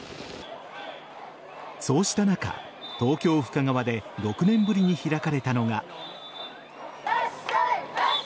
そうした中、東京・深川で６年ぶりに開かれたのが。